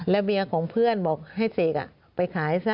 เมียของเพื่อนบอกให้เสกไปขายซะ